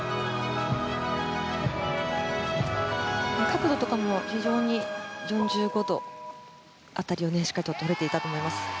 角度とかも非常に４５度辺りをしっかりとれていたと思います。